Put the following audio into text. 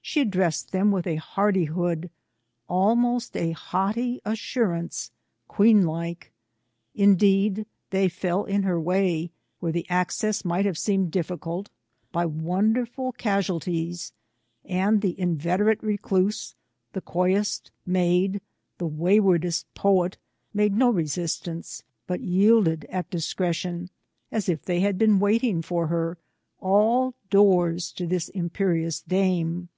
She addressed them with a hardihood, — almost a haughty assurance, — queen like. In deed, they fell in her way, where the access might have seemed difficult, by wonderful casualties ; and the inveterate recluse, the coyest maid, the way wardest poet, made no resistance, but yielded at discretion, as if they had been waiting for her, all doors to this imperious dame.